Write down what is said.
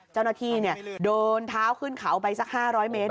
เจ้าหน้าที่เดินเท้าขึ้นเขาไปสัก๕๐๐เมตร